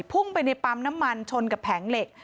พุ่งไปในปั๊มน้ำมันชนกับแผงเหล็ก